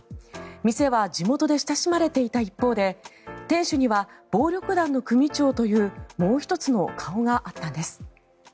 店は地元で親しまれていた一方で店主には暴力団の組長というもう１つの顔があったんです。